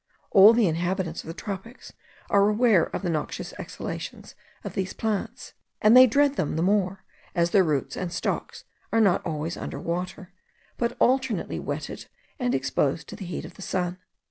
All the inhabitants of the tropics are aware of the noxious exhalations of these plants; and they dread them the more, as their roots and stocks are not always under water, but alternately wetted and exposed to the heat of the sun.